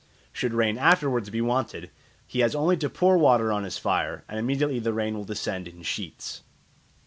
Should rain afterwards be wanted, he has only to pour water on his fire, and immediately the rain will descend in sheets.